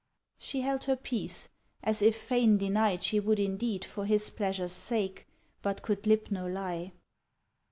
She held her peace, as if fain deny She would indeed For his pleasure's sake, but could lip no lie.